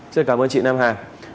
xin cảm ơn chị nam hà